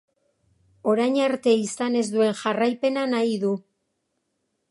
Orain arte izan ez duen jarraipena nahi du.